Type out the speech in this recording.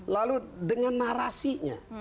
lalu dengan narasinya